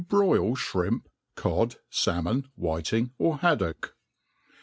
• 7i broil Shrimps Cod^ Salmoiii Whitingy or Haddock.